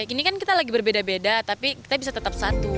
ini kan kita lagi berbeda beda tapi kita bisa tetap satu